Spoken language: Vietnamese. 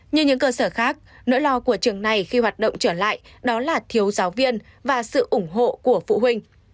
như những cơ sở khác nỗi lo của trường này khi hoạt động trở lại đó là thiếu giáo viên và sự ủng hộ của phụ huynh